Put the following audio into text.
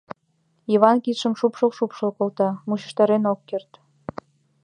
Йыван кидшым шупшыл-шупшыл колта — мучыштарен ок керт.